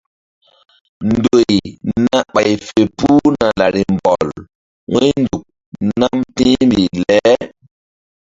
Ndoy na ɓay fe puhna larimbɔl wu̧ynzuk nam ti̧hmbih le.